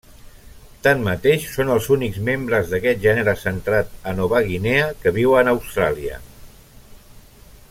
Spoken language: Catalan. Tanmateix, són els únics membres d'aquest gènere centrat a Nova Guinea que viuen a Austràlia.